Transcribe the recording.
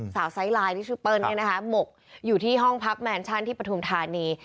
สาวไซด์ไลน์ที่ชื่อเปิ้ลนะคะหมกอยู่ที่ห้องพับแมนชั่นที่ประธุมฐานี